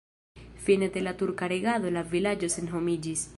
Fine de la turka regado la vilaĝo senhomiĝis.